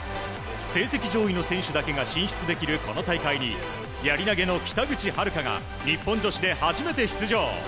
成績上位の選手だけが進出できるこの大会にやり投げの北口榛花が日本女子で初めて出場。